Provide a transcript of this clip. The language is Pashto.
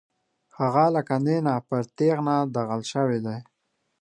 هغه لکه نېنه پر تېغنه داغل شوی دی.